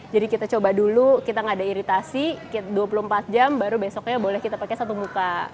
jadi kita coba dulu kita nggak ada iritasi dua puluh empat jam baru besoknya boleh kita pakai satu muka